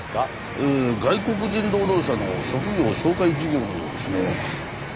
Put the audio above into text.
え外国人労働者の職業紹介事業のようですね。